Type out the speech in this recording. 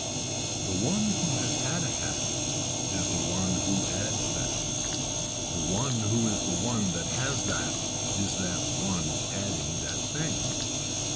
The one who has had a hat is the one who adds that. The one who is the one that has that is that one adding that thing.